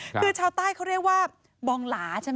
คือชาวใต้เขาเรียกว่าบองหลาใช่ไหม